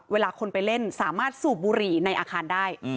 เวลาคนไปเล่นสามารถสูบบุหรี่ในอาคารได้